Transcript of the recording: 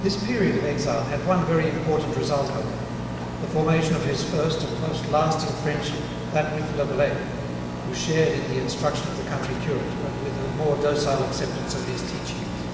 This period of exile had one very important result, however: the formation of his first and most lasting friendship, that with Lebret, who shared in the instruction of the country curate, but with a more docile acceptance of his teachings.